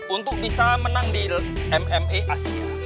untuk bisa menang di mma asia